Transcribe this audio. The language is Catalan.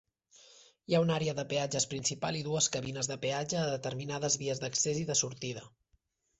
Hi ha una àrea de peatges principal i dues cabines de peatge a determinades vies d'accés i de sortida.